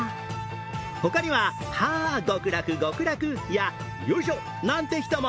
ほかには、はぁ極楽極楽や、よいしょなんて人も。